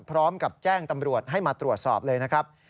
พร้อมกับแจ้งตำรวจให้มาตรวจสอบเลยนะครับ